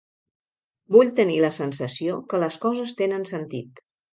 Vull tenir la sensació que les coses tenen sentit.